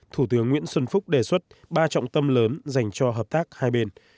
thủ tướng nguyễn xuân phúc đề xuất ba trọng tâm lớn dành cho hợp tác hai bên